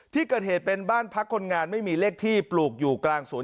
ที่เกิดเหตุเป็นบ้านพักคนงานไม่มีเลขที่ปลูกอยู่กลางสวน